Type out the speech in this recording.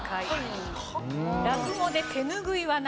落語で手ぬぐいは何？